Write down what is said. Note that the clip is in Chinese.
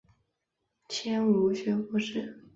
迁武学博士。